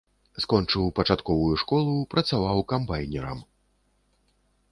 Скончыў пачатковую школу, працаваў камбайнерам.